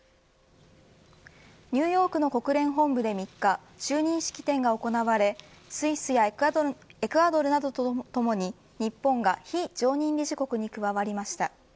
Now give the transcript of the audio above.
ニューヨークの国連本部で３日就任式典が行われスイスやエクアドルなどとともに日本が非常任理事国に加わりました。